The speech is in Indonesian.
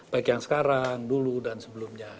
baik yang sekarang dulu dan sebelumnya